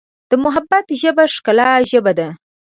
د محبت ژبه د ښکلا ژبه ده.